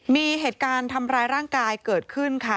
มีเหตุการณ์ทำร้ายร่างกายเกิดขึ้นค่ะ